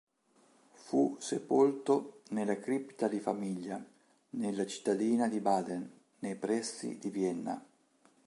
Fu sepolto nella cripta di famiglia nella cittadina di Baden, nei pressi di Vienna.